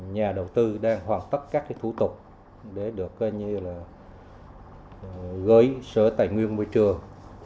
nhà đầu tư đang hoàn tất các thủ tục để được gửi sở tài nguyên môi trường